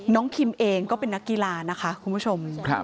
คิมเองก็เป็นนักกีฬานะคะคุณผู้ชม